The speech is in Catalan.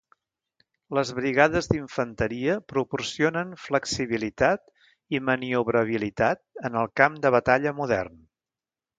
Les brigades d'infanteria proporcionen flexibilitat i maniobrabilitat en el camp de batalla modern.